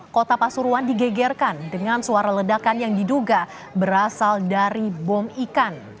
kota pasuruan digegerkan dengan suara ledakan yang diduga berasal dari bom ikan